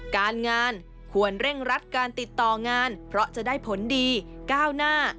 การงานควรเร่งรัดการติดต่องานเพราะจะได้ผลดีก้าวหน้า